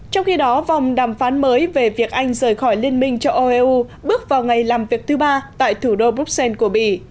trong khi đó vòng đàm phán mới về việc anh rời khỏi liên minh cho oeu bước vào ngày làm việc thứ ba tại thủ đô bruxelles của mỹ